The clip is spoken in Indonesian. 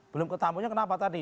belum ketampungnya kenapa tadi